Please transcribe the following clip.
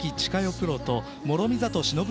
プロと諸見里しのぶ